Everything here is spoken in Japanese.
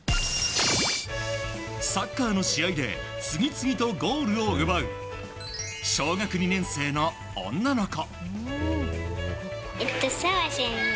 サッカーの試合で次々とゴールを奪う小学２年生の女の子。